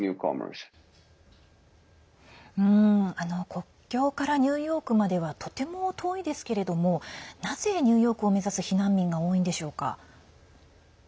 国境からニューヨークまではとても遠いですけれどもなぜニューヨークを目指す、避難民が多いんでしょうか？